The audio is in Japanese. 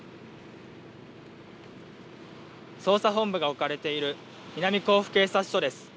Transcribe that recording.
捜査本部が置かれている南甲府警察署です。